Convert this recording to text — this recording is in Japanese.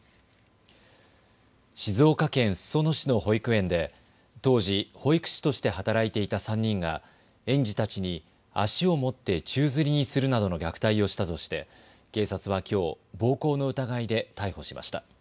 静岡県裾野市の保育園で当時、保育士として働いていた３人が園児たちに足を持って宙づりにするなどの虐待をしたとして警察はきょう暴行の疑いで逮捕しました。